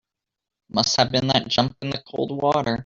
Must have been that jump in the cold water.